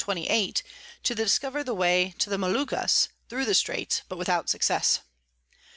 to discover the way to the Moluccas thro the Straits, but without success.